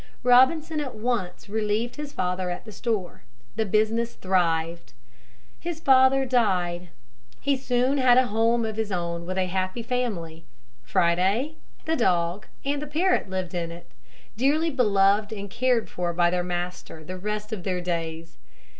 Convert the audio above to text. Robinson at once relieved his father at the store. The business thrived. His father died. He soon had a home of his own with a happy family. Friday, the dog, and the parrot lived in it, dearly beloved and cared for by their master the rest of their days.